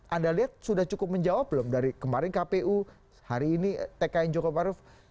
anda lihat sudah cukup menjawab belum dari kemarin kpu hari ini tkn jokowi maruf